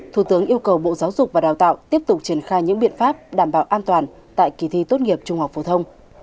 thủ tướng yêu cầu bộ giáo dục và đào tạo tiếp tục triển khai những biện pháp đảm bảo an toàn tại kỳ thi tốt nghiệp trung học phổ thông